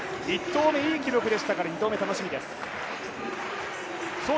１投目、いい記録でしたから２投目楽しみです。